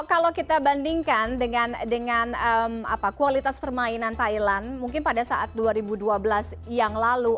kalau kita bandingkan dengan kualitas permainan thailand mungkin pada saat dua ribu dua belas yang lalu